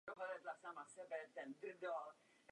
Po třech měsících byl odeslán do zálohy.